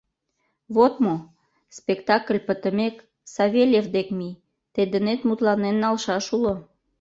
Вот мо: спектакль пытымек, Савельев дек мий, тый денет мутланен налшаш уло...